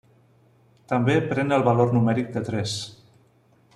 També pren el valor numèric de tres.